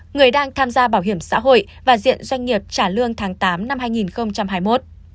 người đang tham gia bảo hiểm xã hội và diện doanh nghiệp trả lương tháng tám năm hai nghìn hai mươi một